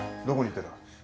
どこに行ってた？